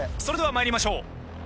それでは参りましょう。